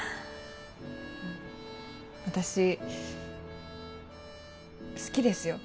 私好きですよ